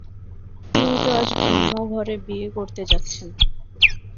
তিনি তো আজ ব্রাহ্মঘরে বিয়ে করতে যাচ্ছেন।